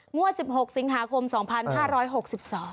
งวด๑๖สิงหาคมสองพันห้าร้อยหกสิบสอง